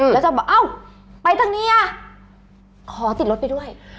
แล้วจะบอกเอ้าไปทางนี้อ่ะขอติดรถไปด้วย